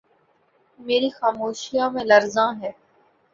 میری خاموشیوں میں لرزاں ہے